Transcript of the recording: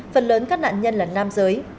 phần lớn các nạn nhân là nam giới